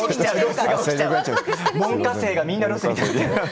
門下生がみんなロスになる。